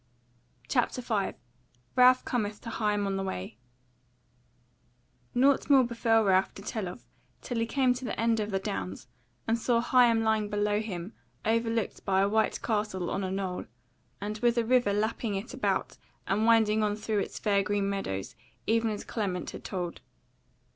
CHAPTER 5 Ralph Cometh to Higham on the Way Nought more befell Ralph to tell of till he came to the end of the Downs and saw Higham lying below him overlooked by a white castle on a knoll, and with a river lapping it about and winding on through its fair green meadows even as Clement had told.